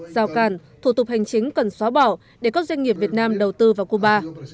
giao cản thủ tục hành chính cần xóa bỏ để các doanh nghiệp việt nam đầu tư vào cuba